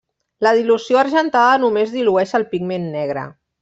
La dilució argentada només dilueix el pigment negre.